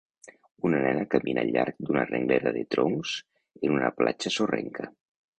Una nena camina al llarg d'una renglera de troncs en una platja sorrenca.